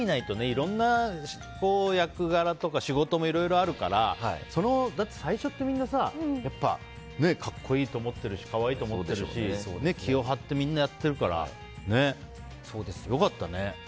いろんな役柄とか仕事もいろいろあるからだって、最初ってみんな格好いいと思ってるし可愛いと思ってるし気を張ってみんなやってるから良かったね。